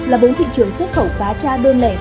là bốn thị trường xuất khẩu cá cha đơn lẻ